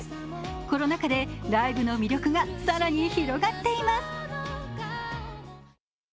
コロナ禍でライブの魅力が更に広がっています。